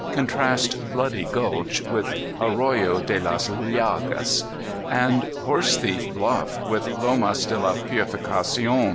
Contrast "Bloody Gulch" with "Arroyo de las Llagas" and "Horse thief Bluff" with "Lomas de la Purificadon.")